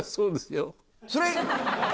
それ。